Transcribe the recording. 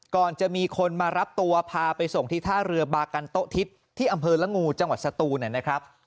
ก่อนจะมีคนมารับตัวพาไปส่งที่ท่าเรือบากันโต๊ะทิศที่อำเภอละงูจังหวัดสตูนนะครับ